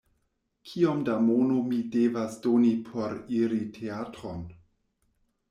Kiom da mono mi devas doni por iri teatron?